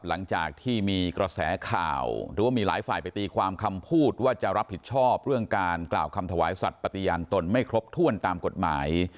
หลังจากที่มีกระแสข่าวหรือว่ามีหลายฝ่ายไปตีความคำพูดว่าจะรับผิดชอบเรื่องการกล่าวคำถวายสัตว์ปฏิญาณตนไม่ครบถ้วนตามกฎหมาย